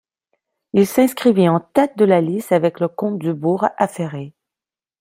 Il s'inscrivit en tête de la liste avec le comte Dubourg, affairé.